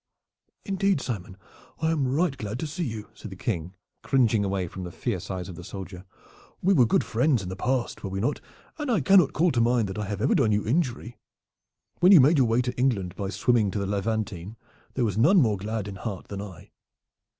"Indeed, Simon, I am right glad to see you," said the King, cringing away from the fierce eyes of the soldier. "We were good friends in the past, were we not, and I cannot call to mind that I have ever done you injury. When you made your way to England by swimming to the Levantine there was none more glad in heart than I!"